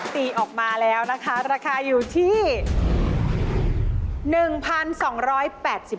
ตีออกมาแล้วนะคะราคาอยู่ที่